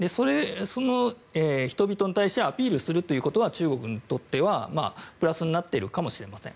その人々に対してアピールするということは中国にとってはプラスになっているかもしれません。